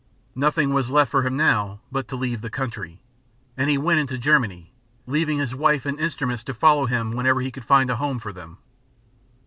Nothing was left for him now but to leave the country, and he went into Germany, leaving his wife and instruments to follow him whenever he could find a home for them.